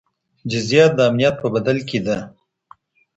جزيه د امنيت په بدل کي ده.